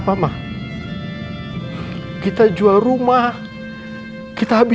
mama inget waktu adin di penjara atas kejahatan